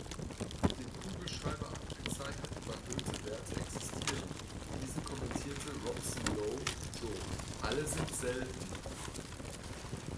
Mit dem Kugelschreiber abgezeichnet, überhöhte Werte existieren; diese kommentierte Robson Lowe so: Alle sind selten.